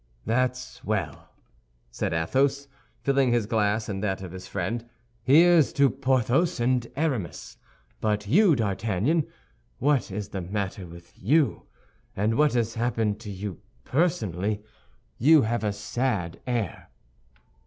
"That's well!" said Athos, filling his glass and that of his friend; "here's to Porthos and Aramis! But you, D'Artagnan, what is the matter with you, and what has happened to you personally? You have a sad air."